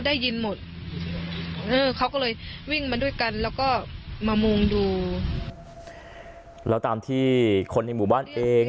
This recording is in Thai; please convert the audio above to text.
ได้ยินหมดเออเขาก็เลยวิ่งมาด้วยกันแล้วก็มามุงดูแล้วตามที่คนในหมู่บ้านเอง